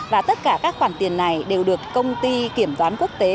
và tất cả các khoản tiền này đều được công ty kiểm toán quốc tế